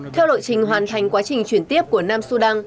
theo lộ trình hoàn thành quá trình chuyển tiếp của nam sudan